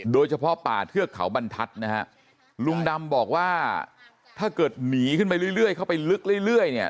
โดยเฉพาะป่าเทือกเขาบรรทัศน์นะฮะลุงดำบอกว่าถ้าเกิดหนีขึ้นไปเรื่อยเรื่อยเข้าไปลึกเรื่อยเรื่อยเนี่ย